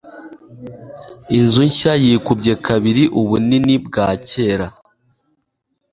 Inzu nshya yikubye kabiri ubunini bwa kera.